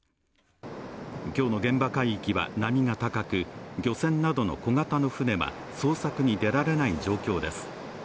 今日の現場海域は波が高く漁船などの小型の船は捜索に出られない状況です。